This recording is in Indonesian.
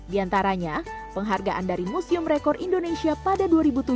di antaranya penghargaan dari museum rekor indonesia pada dua ribu tujuh